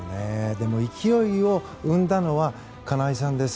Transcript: でも、勢いを生んだのは金井さんです。